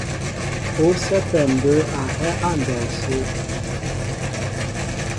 Ú sɛ́pɛ mbə̌ a hɛ́ á ndɔw sə́.